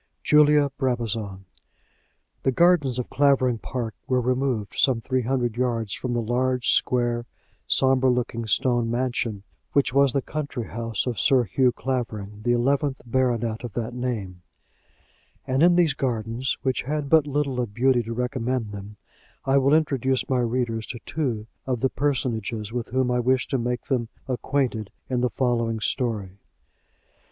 JULIA BRABAZON. The gardens of Clavering Park were removed some three hundred yards from the large, square, sombre looking stone mansion which was the country house of Sir Hugh Clavering, the eleventh baronet of that name; and in these gardens, which had but little of beauty to recommend them, I will introduce my readers to two of the personages with whom I wish to make them acquainted in the following story.